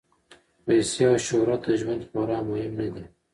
پیسې او شهرت د ژوند خورا مهم نه دي.